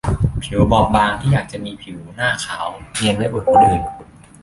ผิวบอบบางที่อยากจะมีผิวหน้าขาวเนียนไว้อวดคนอื่น